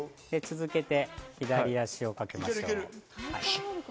で、続けて左足をかけます。